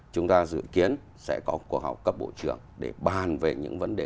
chúng ta dự kiến sẽ có quốc học cấp bộ trưởng để bàn về những vấn đề này